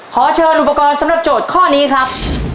ขอเชิญอุปกรณ์สำหรับโจทย์ข้อนี้ครับ